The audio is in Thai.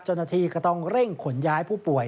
เจ้าหน้าที่ก็ต้องเร่งขนย้ายผู้ป่วย